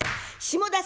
下田